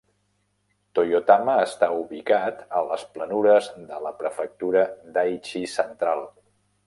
Toyotama està ubicat a les planures de la prefectura d'Aichi central.